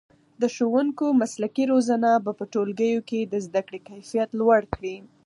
د ښوونکو مسلکي روزنه به په ټولګیو کې د زده کړې کیفیت لوړ کړي.